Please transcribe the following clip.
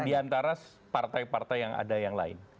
di antara partai partai yang ada yang lain